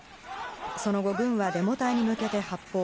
その後、軍はデモ隊に向けて発砲。